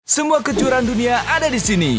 semua kejuaraan dunia ada di sini